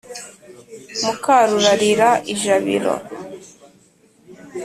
muka rurarira ijabiro.